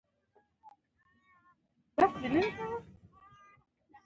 او څه وخته پورې سوات بريکوت کښې استوګن وو